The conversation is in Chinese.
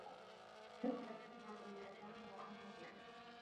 陈浩职业生涯始于前武汉光谷队。